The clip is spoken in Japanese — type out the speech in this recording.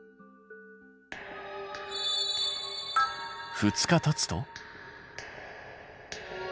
２日たつと？